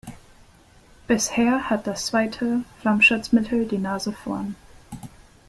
Bisher hat das zweite Flammschutzmittel die Nase vorn.